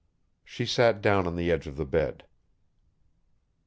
She sat down on the edge of the bed.